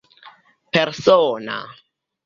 persona